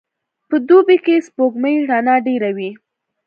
په دوبي کي د سپوږمۍ رڼا ډېره وي.